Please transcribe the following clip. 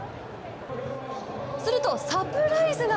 するとサプライズが。